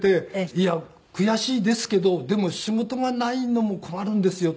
「いや悔しいですけどでも仕事がないのも困るんですよ」